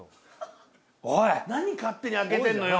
何勝手に開けてんのよ。